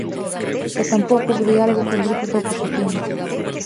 E tampouco houbo diálogo cos grupos da oposición.